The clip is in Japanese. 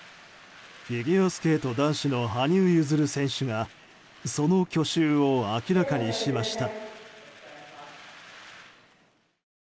フィギュアスケート男子の羽生結弦選手がその去就を明らかにしました。